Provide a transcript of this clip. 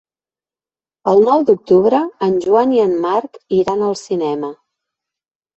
El nou d'octubre en Joan i en Marc iran al cinema.